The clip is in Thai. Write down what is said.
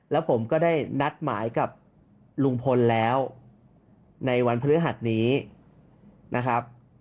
แล้วผมก็ได้นัดหมายกับลุงพลแล้วในวันพฤหัสนี้นะครับ